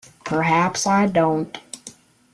Perhaps I don't.